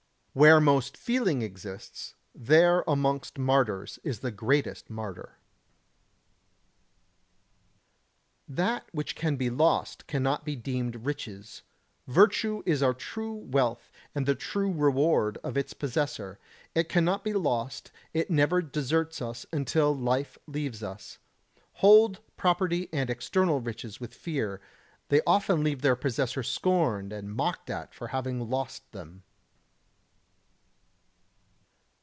91. Where most feeling exists, there amongst martyrs is the greatest martyr. 92. That which can be lost cannot be deemed riches. Virtue is our true wealth and the true reward of its possessor; it cannot be lost, it never deserts us until life leaves us. Hold property and external riches with fear; they often leave their possessor scorned and mocked at for having lost them.